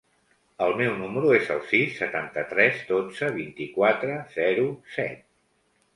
El meu número es el sis, setanta-tres, dotze, vint-i-quatre, zero, set.